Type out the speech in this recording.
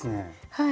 はい。